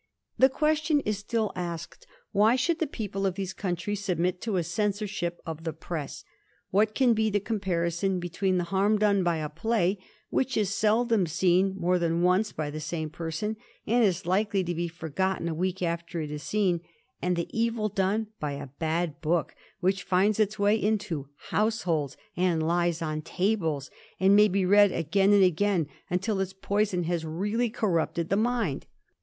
The question is still asked, Why should the people of these countries submit to a censor ship of the press ? What can be the comparison between the harm done by a play which is seldom seen more than once by the same person, and is likely to be forgotten a week after it is seen, and the evil done by a bad book which finds its way into households, and lies on tables, and may be read again and again until its poison has real ly corrupted the mind